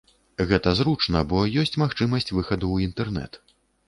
Гэта зручна, бо ёсць магчымасць выхаду ў інтэрнэт.